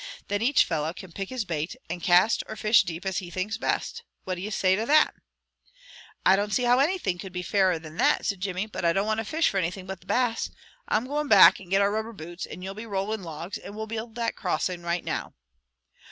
Then each fellow can pick his bait, and cast or fish deep as he thinks best. What d'ye say to that?" "I don't see how anything could be fairer than that," said Jimmy. "I don't want to fish for anything but the Bass. I'm goin' back and get our rubber boots, and you be rollin' logs, and we'll build that crossing right now."